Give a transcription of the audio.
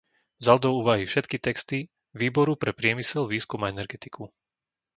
Vzal do úvahy všetky texty Výboru pre priemysel, výskum a energetiku.